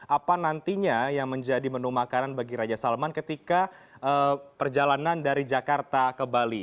apa nantinya yang menjadi menu makanan bagi raja salman ketika perjalanan dari jakarta ke bali